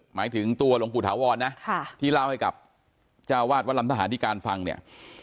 หมายถึงตัวหลวงปู่ถาวรนะที่เล่าให้กับเจ้าวาดวัดลำทหารที่การฟังเนี่ย